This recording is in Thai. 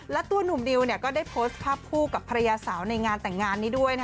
และตัวหนุ่มดิวก็ได้โพสต์ภาพคู่กับภรรยาสาวในงานแต่งงานนี้ด้วย